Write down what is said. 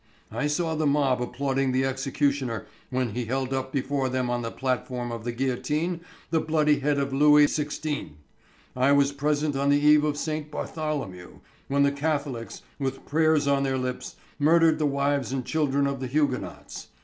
I saw the mob applauding the executioner when he held up before them on the platform of the guillotine the bloody head of Louis XVI. I was present on the eve of St. Bartholomew, when the Catholics, with prayers on their lips, murdered the wives and children of the Huguenots.